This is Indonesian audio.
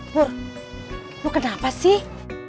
pur lu kenapa sih